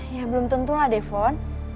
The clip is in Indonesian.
ya belum tentu lah devon